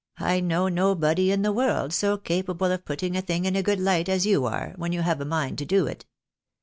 I know nobody in the world so capable of putting a thing in a good light as you are, when you have a mind to do it.